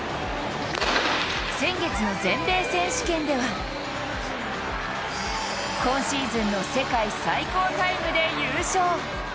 先月の全米選手権では今シーズンの世界最高タイムで優勝。